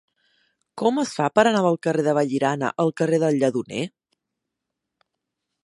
Com es fa per anar del carrer de Vallirana al carrer del Lledoner?